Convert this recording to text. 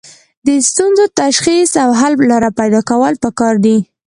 د ستونزو تشخیص او حل لاره پیدا کول پکار دي.